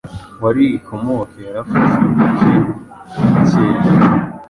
wari ikigomeke yarafashe agace ka Cyeru.